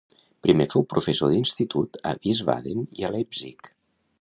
Primer fou professor d'institut a Wiesbaden i a Leipzig.